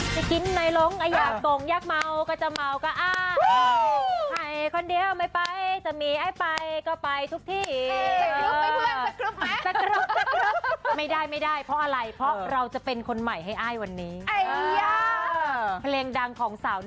ให้กินหน่อยลงอดยามโบ่งยากเมาก็จะเมาก็อ้า